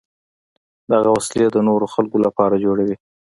دغه وسلې د نورو خلکو لپاره جوړوي.